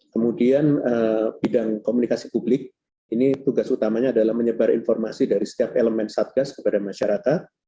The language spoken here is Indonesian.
kemudian bidang komunikasi publik ini tugas utamanya adalah menyebar informasi dari setiap elemen satgas kepada masyarakat